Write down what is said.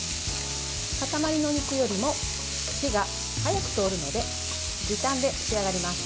塊の肉よりも火が早く通るので時短で仕上がります。